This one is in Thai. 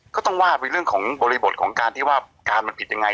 ก็ต้องว่าไปเรื่องของบริบทของการที่ว่าการมันผิดยังไง